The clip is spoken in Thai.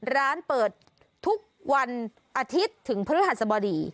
ร้านเปิดทุกวันอาทิตย์ถึงพฤหัสบดี